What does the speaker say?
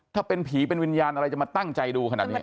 ถ้าเป็นผีเป็นวิญญาณอะไรจะมาตั้งใจดูขนาดนี้